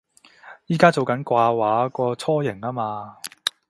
而家做緊掛畫個雛形吖嘛